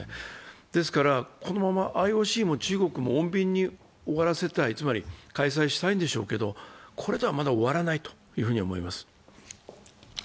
ですから、このままＩＯＣも中国も穏便に終わらせたい、つまり開催したんでしょうけれども、これではまだ終わらないというふうに思います。